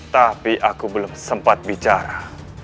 tapi aku belum sempat bicara